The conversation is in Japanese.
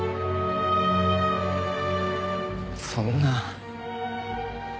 そんな。